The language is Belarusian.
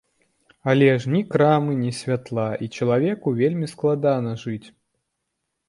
Але ж ні крамы, ні святла, і чалавеку вельмі складана жыць.